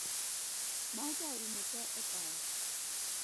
Mauta orumo te etaya